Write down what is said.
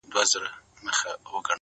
سیاه پوسي ده; برباد دی;